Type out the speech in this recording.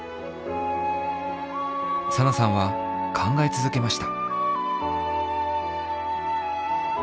サナさんは考えつづけました。